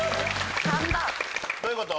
どういうこと？